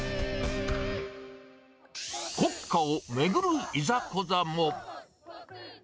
国家を巡るいざこざも。